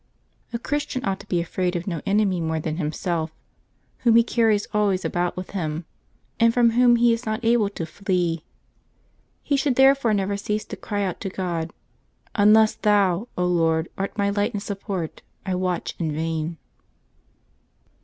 — A Christian ought to be afraid of no en emy more than himself, whom he carries always about with him, and from whom he is not able to flee. He should therefore never cease to cry out to God, "Unless Thou, Lord, art my light and support, I watch in yain."